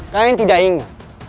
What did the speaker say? kalian tidak ingat